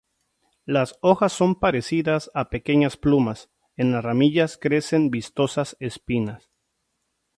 Las hojas son parecidas a pequeñas plumas, en las ramillas crecen vistosas espinas.